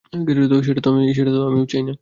সেটা তো আমিও চাই না।